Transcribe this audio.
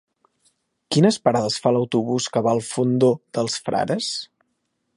Quines parades fa l'autobús que va al Fondó dels Frares?